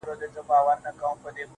ناروغه دی اخ نه کوي زگيروی نه کوي